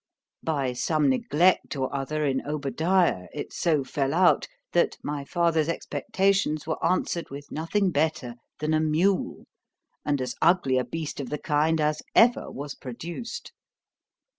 By some neglect or other in Obadiah, it so fell out, that my father's expectations were answered with nothing better than a mule, and as ugly a beast of the kind as ever was produced.